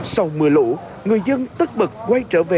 sau mưa lũ người dân tức bật quay trở về